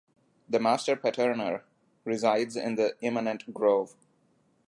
The Master Patterner resides in the Immanent Grove.